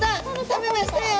食べましたよ！